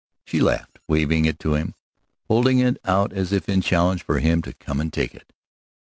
She laughed, waving it to him, holding it out as if in challenge for him to come and take it.